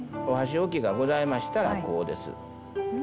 お箸置きがございましたらこうです。